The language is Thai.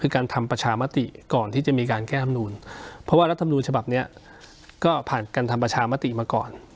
คือการทำประชามติก่อนที่จะมีการแก้ธรรมนูลเพราะว่ารัฐมนูญฉบับนี้ก็ผ่านการทำประชามติมาก่อน